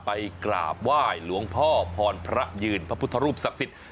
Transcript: ไปกราบไหว้หลวงพ่อพรพระยืนพระพุทธรูปศักดิ์สิทธิ์